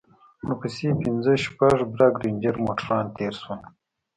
ورپسې پنځه شپږ برگ رېنجر موټران تېر سول.